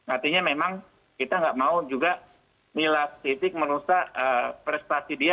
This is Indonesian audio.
artinya memang kita nggak mau juga milas titik merusak prestasi dia